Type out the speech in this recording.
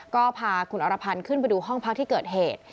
ก็พาคุณอรพันธ์ขึ้นไปดูห้องพักที่เกิดเหตุ